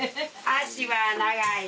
足は長い。